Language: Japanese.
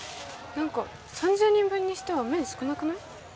何か３０人分にしては麺少なくない？